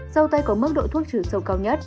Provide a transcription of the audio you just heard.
dâu tây có mức độ thuốc trừ sâu cao nhất